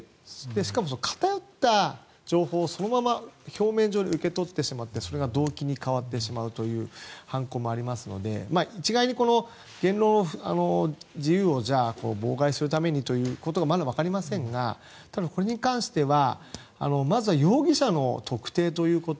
しかも偏った情報をそのまま表面上で受け取ってしまいそれが動機に変わってしまうという犯行もありますので一概に言論の自由を妨害するためにということかはまだ分かりませんがこれに関してはまずは容疑者の特定ということ。